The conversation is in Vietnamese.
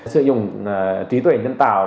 sử dụng trí tuệ nhân tạo